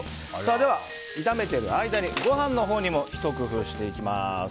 では炒めている間にご飯のほうにもひと工夫していきます。